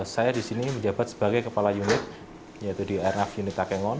saya di sini menjabat sebagai kepala unit yaitu di airnaf unit takengon